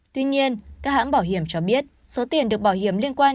tuy nhiên các hãng bảo hiểm cho biết số tiền được bảo hiểm liên quan